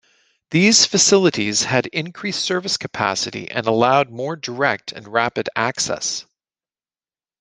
These facilities had increased service capacity and allowed more direct and rapid access.